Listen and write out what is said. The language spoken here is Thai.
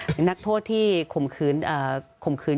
หรือนักโทษที่ขุมขืน